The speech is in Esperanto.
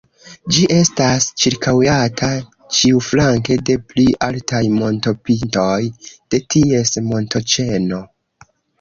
Ĝi estas ĉirkaŭata ĉiuflanke de pli altaj montopintoj de ties montoĉeno.